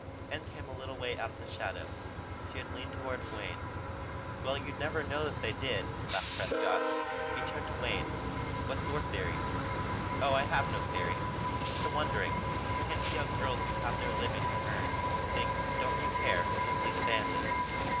Ann came a little way out of the shadow. She had leaned toward Wayne. "Well you'd never know it if they did," laughed Prescott. He turned to Wayne. "What's your theory?" "Oh I have no theory. Just a wondering. Can't see how girls who have their living to earn could sing 'Don't You Care' with complete abandon."